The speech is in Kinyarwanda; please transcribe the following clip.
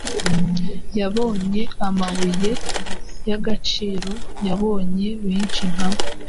Yabonye amabuye yagaciro yabonye benshi nkabo